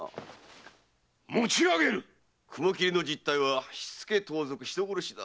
雲切の実体は火付け盗賊人殺しだ。